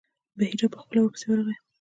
بحیرا په خپله ورپسې ورغی.